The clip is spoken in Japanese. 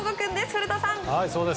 古田さん。